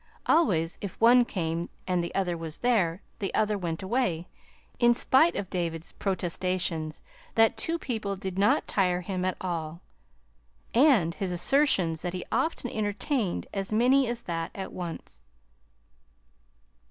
Always, if one came and the other was there, the other went away, in spite of David's protestations that two people did not tire him at all and his assertions that he often entertained as many as that at once.